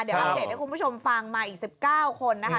เดี๋ยวอัปเดตให้คุณผู้ชมฟังมาอีก๑๙คนนะคะ